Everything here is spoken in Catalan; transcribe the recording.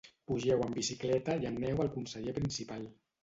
Pugeu en bicicleta i aneu al conseller principal.